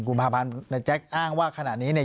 ๑กุมภาพันธุ์แจ๊คอ้างว่าขนาดนี้เนี่ย